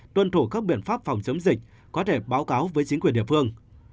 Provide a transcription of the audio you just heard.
tuân thủ các biện pháp phòng chống dịch có thể báo cáo với chính quyền địa phương